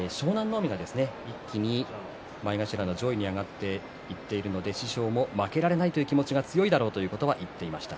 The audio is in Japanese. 海が一気に前頭の上位に上がっているので師匠も負けられないという気持ちが強いだろうというふうに話していました。